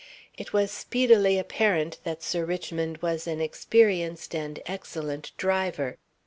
It was speedily apparent that Sir Richmond was an experienced and excellent driver.